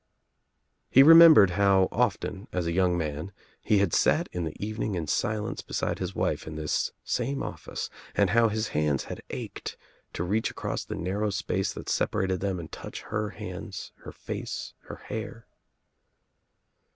He remembered how often, as a young man, he had sat in the evening in silence beside his wife In this same office and how his hands had ached to reach across the narrow space that separated them and touch her hands, her face, her hair.